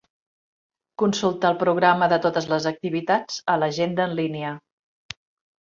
Consulta el programa de totes les activitats a l'agenda en línia.